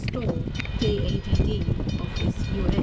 Stoll, JAGD, Office U.